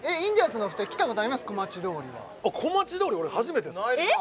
小町通り俺初めてですないです